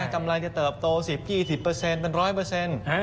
กำไรจะเติบโตสีบ๒๐เปอร์เซนต์เป็นร้อยเปอร์เซนต์